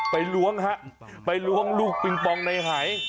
ล้วงฮะไปล้วงลูกปิงปองในหาย